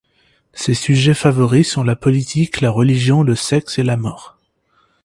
Ses sujets favoris sont la politique, la religion, le sexe et la mort.